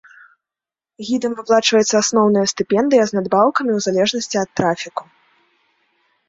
Гідам выплачваецца асноўная стыпендыя з надбаўкамі ў залежнасці ад трафіку.